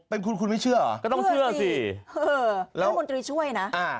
เป็นคุณไม่เชื่อเหรอเคยเชื่อสิท่านบนตรีช่วยนะ